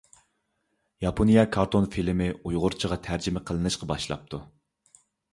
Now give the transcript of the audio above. ياپونىيە كارتون فىلىمى ئۇيغۇرچىغا تەرجىمە قىلىنىشقا باشلاپتۇ.